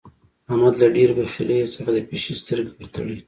احمد له ډېرې بخيلۍ څخه د پيشي سترګې ور تړي.